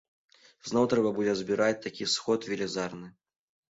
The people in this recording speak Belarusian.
Зноў трэба будзе збіраць такі сход велізарны.